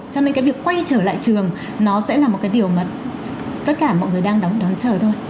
cho nên cái việc quay trở lại trường nó sẽ là một cái điều mà tất cả mọi người đang đón chờ thôi